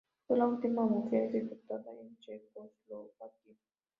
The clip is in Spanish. Fue la última mujer ejecutada en Checoslovaquia.